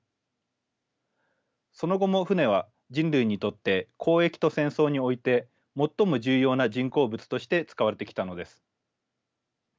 その後も船は人類にとって交易と戦争において最も重要な人工物として使われてきたのです。